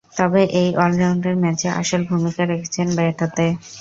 তবে এই অলরাউন্ডার ম্যাচে আসল ভূমিকা রেখেছেন ব্যাট হাতে।